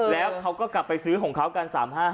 แล้วเขาก็กลับไปซื้อของเขากัน๓๕